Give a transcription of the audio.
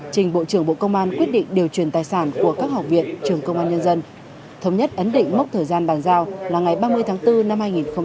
trình bộ trưởng bộ công an quyết định điều chuyển tài sản của các học viện trường công an nhân dân thống nhất ấn định mốc thời gian bàn giao là ngày ba mươi tháng bốn năm hai nghìn hai mươi